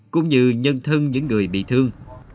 cũng như nhân thân những người bị thương